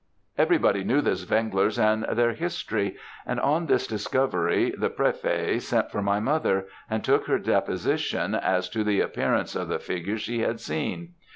"Everybody knew the Zwenglers and their history; and on this discovery, the prefêt sent for my mother, and took her deposition as to the appearance of the figure she had seen.